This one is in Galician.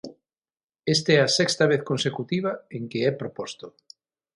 Esta é a sexta vez consecutiva en que é proposto.